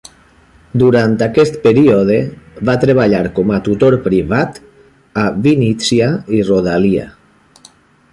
Durant aquest període, va treballar com a tutor privat a Vínnitsia i rodalia.